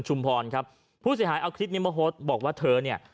ชุมพลครับผู้เสียหายออกฤทธิ์นิมโมฮสบอกว่าเธอเนี่ย